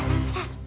sebelum gua pergi